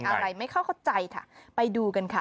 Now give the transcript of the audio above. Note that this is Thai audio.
อะไรไม่เข้าใจค่ะไปดูกันค่ะ